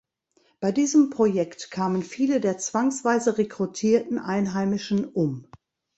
Bei diesem Projekt kamen viele der zwangsweise rekrutierten Einheimischen um.